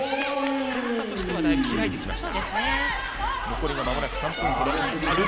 点差としてはだいぶ開いてきました。